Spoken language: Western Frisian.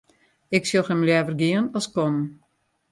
Ik sjoch him leaver gean as kommen.